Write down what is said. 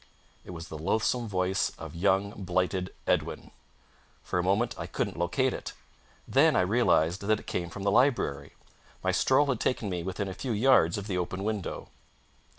It was the loathsome voice of young blighted Edwin! For a moment I couldn't locate it. Then I realised that it came from the library. My stroll had taken me within a few yards of the open window.